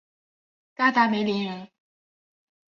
嘎达梅林人。